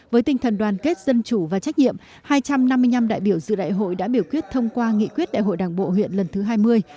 với tinh thần đoàn kết dân chủ và trách nhiệm hai trăm năm mươi năm đại biểu dự đại hội đã biểu quyết thông qua nghị quyết đại hội đảng bộ huyện lần thứ hai mươi